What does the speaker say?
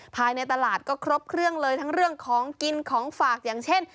ภายในตลาดก็ครบเครื่องเลยทั้งเรื่องของกินของฝากอย่างเช่น